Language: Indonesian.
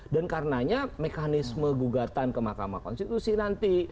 dan karenanya mekanisme gugatan ke mahkamah konstitusi nanti